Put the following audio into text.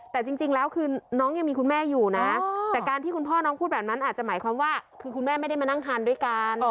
แต่จริงแล้วคือน้องยังมีคุณแม่อยู่นะแต่การที่คุณพ่อน้องพูดแบบนั้นอาจจะหมายความว่าคือคุณแม่ไม่ได้มานั่งทานด้วยกัน